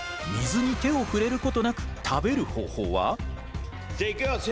水に手を触れることなく食べる方法は？じゃあいくよ。